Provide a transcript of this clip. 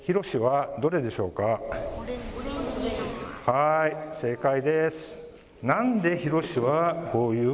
はーい、正解です。